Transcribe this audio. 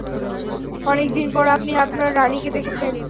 অনেকদিন পর আপনি আপনার রানীকে দেখছেন!